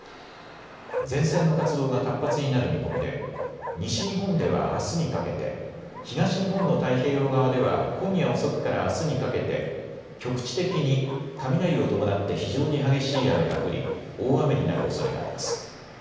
前線の活動が活発になる見込みで西日本ではあすにかけて、東日本の太平洋側では今夜遅くからあすにかけて局地的に雷を伴って非常に激しい雨が降り大雨になるおそれがあります。